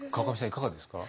いかがですか？